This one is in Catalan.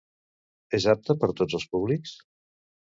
És apte per tots els públics?